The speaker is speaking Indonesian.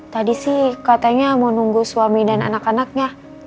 tadi sih katanya mau nunggu suami dan anak anaknya